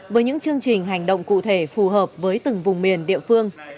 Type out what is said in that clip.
với những chương trình hành động cụ thể phù hợp với từng vùng miền địa phương